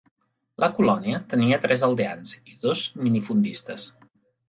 La colònia tenia tres aldeans i dos minifundistes.